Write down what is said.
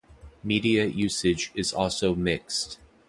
Media usage is also mixed.